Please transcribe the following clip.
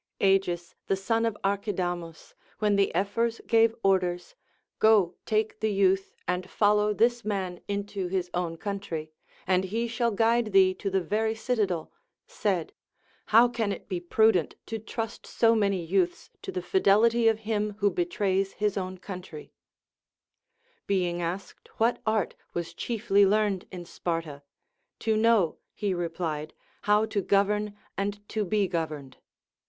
Agis the son of Archidamus, when the Ephors gave orders, Go take the youth, and follow this man into his own country, and he shall guide thee to the very citadel, said : How can it be prudent to trust so many youths to the fidelity of him who betrays his own country 1 Being asked what art was chiefly learned in Sparta, To know, he re plied, how to govern and to be governed.